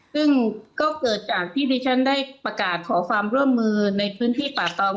ซึ่งก็เกิดจากที่ดิฉันได้ประกาศขอความร่วมมือในพื้นที่ป่าตอง